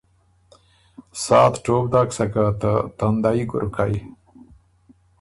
سا ت ټوپ داک سکه ته تاندئ ګُرکئ۔